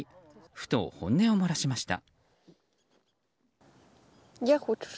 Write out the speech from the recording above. ふと本音を漏らしました。